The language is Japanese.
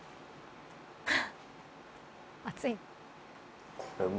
熱い。